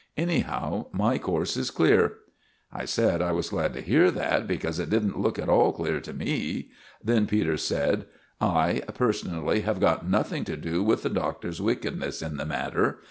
Anyhow, my course is clear." I said I was glad to hear that, because it didn't look at all clear to me. Then Peters said— "I, personally, have got nothing to do with the Doctor's wickedness in the matter.